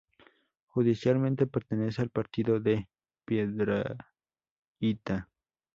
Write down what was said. Judicialmente pertenece al Partido de Piedrahíta.